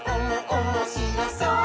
おもしろそう！」